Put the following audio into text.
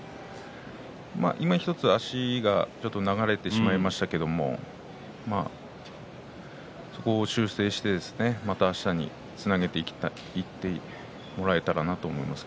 いまひとつ足が流れてしまいましたがそこを修正してまたあしたに、つなげてもらえたらなと思います。